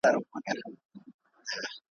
اوس هغه جنډۍ له ویري دي سرټیټي ,